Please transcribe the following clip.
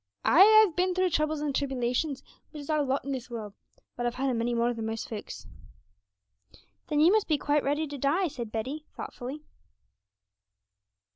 Ay, I've been through troubles and tribbylation, which is our lot in this world, but I've had a many more than most folks.' 'Then you must be quite ready to die?' said Betty, looking at him thoughtfully.